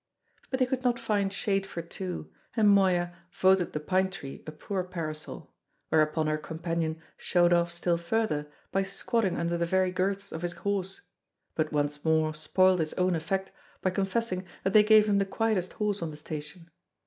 But they could not find shade for two, and Moya voted the pine tree a poor parasol; whereupon her companion showed off still further by squatting under the very girths of his horse, but once more spoilt his own effect by confessing that they gave him the quietest horse on the station.